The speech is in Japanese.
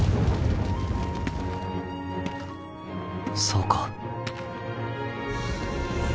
そうか